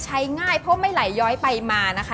ง่ายเพราะไม่ไหลย้อยไปมานะคะ